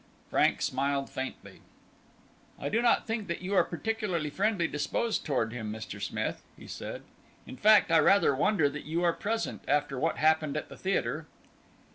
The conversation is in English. Frank smiled faintly. "I do not think that you are particularly friendly disposed toward him, Mr. Smith," he said; "in fact, I rather wonder that you are present, after what happened at the theatre."